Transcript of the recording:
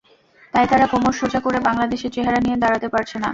তাই তারা কোমর সোজা করে বাংলাদেশের চেহারা নিয়ে দাঁড়াতে পারছে না।